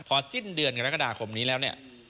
พอสิ้นเดือนกรกฎาคมนี้แล้วเนี่ย